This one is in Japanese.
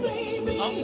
あっ！